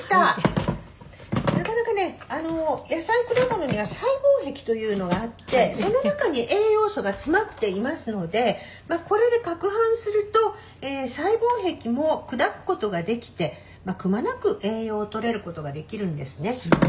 「なかなかね野菜果物には細胞壁というのがあってその中に栄養素が詰まっていますのでこれで攪拌すると細胞壁も砕く事ができてくまなく栄養を取れる事ができるんですね」